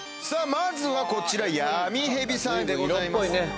まずはこちら闇蛇さんでございます